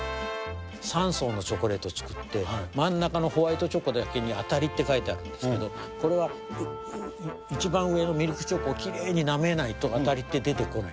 ３層のチョコレートを作って、真ん中のホワイトチョコだけにあたりって書いてあるんですけれども、これは一番上のミルクチョコをきれいになめないとあたりって出てこない。